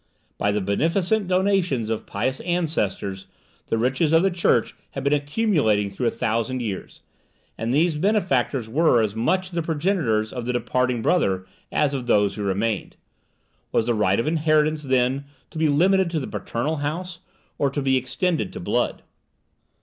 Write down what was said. By the beneficent donations of pious ancestors the riches of the church had been accumulating through a thousand years, and these benefactors were as much the progenitors of the departing brother as of him who remained. Was the right of inheritance then to be limited to the paternal house, or to be extended to blood?